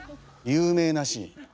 有名なシーン。